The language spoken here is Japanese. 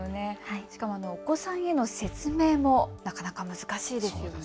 お子さんへの説明もなかなか難しいですよね。